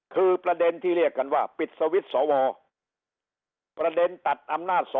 คือประเด็นที่เรียกกันว่าปิดสวิตช์สวประเด็นตัดอำนาจ๒